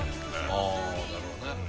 ああなるほどね。